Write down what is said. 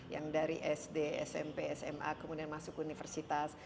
yang dari sd smp sma kemudian masuk universitas